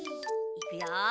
いくよ！